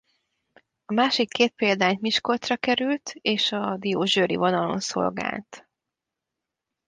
A másik két példányt Miskolcra került és a diósgyőri vonalon szolgált.